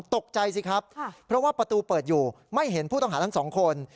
ตกใจสิครับเพราะว่าประตูเปิดอยู่ไม่เห็นผู้ต้องหาทั้งสองคน